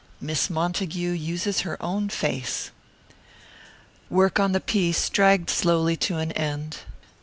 MISS MONTAGUE USES HER OWN FACE Work on the piece dragged slowly to an end.